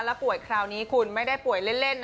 แล้วป่วยคราวนี้คุณไม่ได้ป่วยเล่นนะ